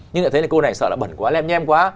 nhưng lại thấy là cô này sợ là bẩn quá lem nhem quá